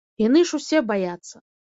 Яны ж усе баяцца.